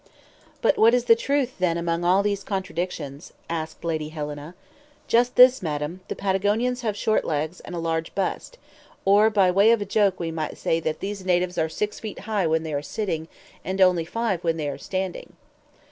"But what is the truth, then, among all these contradictions?" asked Lady Helena. "Just this, madame; the Patagonians have short legs, and a large bust; or by way of a joke we might say that these natives are six feet high when they are sitting, and only five when they are standing."